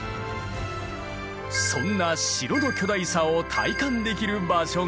そんな城の巨大さを体感できる場所がこちら。